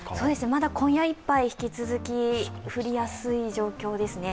まだ今夜いっぱい引き続き降りやすい状況ですね。